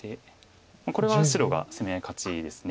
これは白が攻め合い勝ちです。